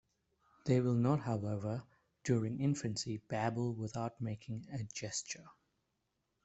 They will not however, during infancy, babble without making a gesture.